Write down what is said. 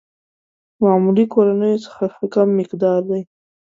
معمولي کورنيو څخه کم مقدار دي.